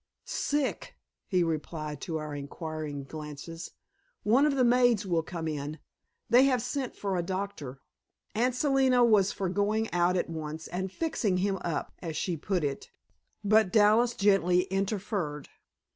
"Sick," he replied to our inquiring glances. "One of the maids will come in. They have sent for a doctor." Aunt Selina was for going out at once and "fixing him up," as she put it, but Dallas gently interfered.